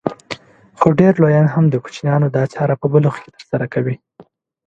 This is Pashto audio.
خو ډېر لويان هم د کوچنيانو دا چاره په بلوغ کې ترسره کوي.